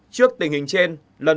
trước tình hình trên